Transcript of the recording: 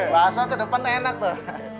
masa ke depan enak tuh